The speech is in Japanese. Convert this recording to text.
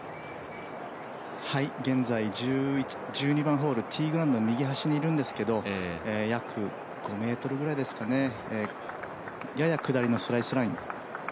現在、１２番ホールティーグラウンドの右端にいるんですけど約５ｍぐらいですかねやや下りのスライスライン。